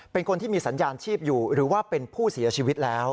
เป็นคนที่มีสัญญาณชีพอยู่หรือว่าเป็นผู้เสียชีวิตแล้ว